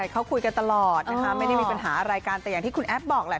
ใช่เขาคุยกันตลอดอย่างที่คุณแอฟบอกแหละ